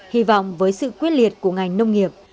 hy vọng với sự quyết liệt của ngành nông nghiệp